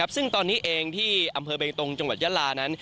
ซึ่งตอนนี้เองที่อำเภอเบงตรงจังหวัดยาลานั้น